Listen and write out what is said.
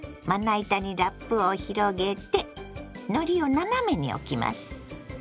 まな板にラップを広げてのりを斜めに置きます。